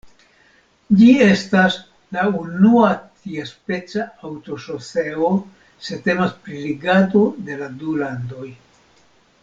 Ĝi estas la unua tiaspeca aŭtoŝoseo se temas pri ligado de la du landoj.